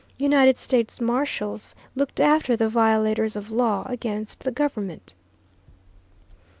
United States marshals looked after the violators of law against the government.